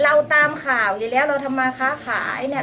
เราตามข่าวอยู่แล้วเราทำมาค้าขายเนี่ย